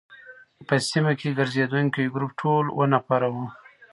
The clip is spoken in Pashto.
په سیمه کې ګرزېدونکي ګروپ ټول اووه نفره وو.